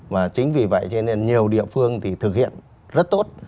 mà chính vì vậy cho nên nhiều địa phương thì thực hiện rất tốt